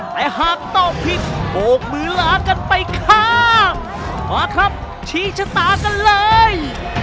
แต่หากตอบผิดโบกมือลากันไปข้ามมาครับชี้ชะตากันเลย